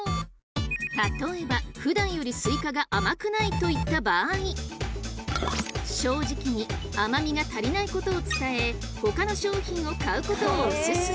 例えばふだんよりスイカが甘くないといった場合正直に甘みが足りないことを伝えほかの商品を買うことをおすすめ！